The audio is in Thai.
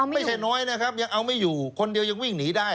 ไม่ใช่น้อยนะครับยังเอาไม่อยู่คนเดียวยังวิ่งหนีได้